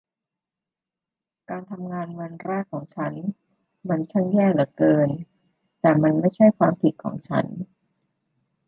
การทำงานวันแรกของฉันมันช่างแย่เหลือเกิน แต่มันไม่ใช่ความผิดของฉัน